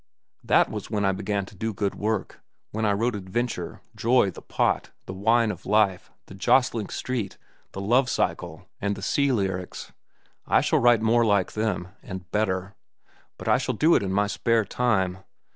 That was when I began to do good work, when I wrote 'Adventure,' 'Joy,' 'The Pot,' 'The Wine of Life,' 'The Jostling Street,' the 'Love cycle,' and the 'Sea Lyrics.' I shall write more like them, and better; but I shall do it in my spare time.